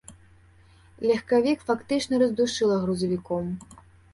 Легкавік фактычна раздушыла грузавіком.